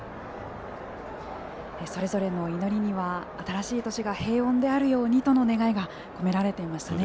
それぞれの祈りには新しい年が平穏であるようにとの願いが込められていましたね。